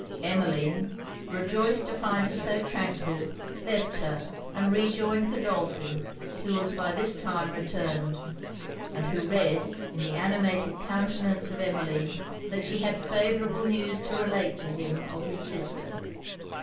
Emmeline, rejoiced to find her so tranquil, left her, and rejoined Godolphin, who was by this time returned; and who read, in the animated countenance of Emmeline, that she had favourable news to relate to him of his sister.